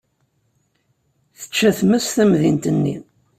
Tečča tmes tamdint-nni.